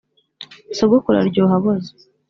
Sogokuru aryoha aboze